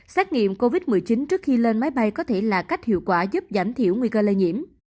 xét nghiệm covid một mươi chín trước khi lên máy bay có thể là cách hiệu quả giúp giảm thiểu nguy cơ lây nhiễm